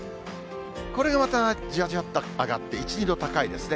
これがまたじわじわっと上がって、１、２度高いですね。